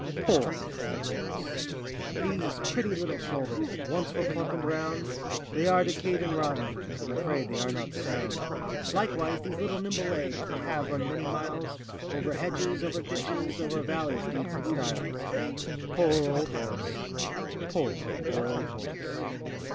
poor old horse! These pretty little shoulders, That once were plump and round, They are decayed and rotten,— I'm afraid they are not sound. Likewise these little nimble legs, That have run many miles, Over hedges, over ditches, Over valleys, gates, and stiles. Poor old horse! poor old horse!